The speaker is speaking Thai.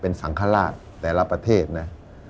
เป็นสังฆราชแต่ละประเทศนะ